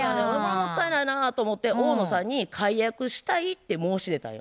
もったいないなと思って大野さんに解約したいって申し出たんよ。